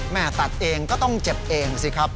ตัดเองก็ต้องเจ็บเองสิครับ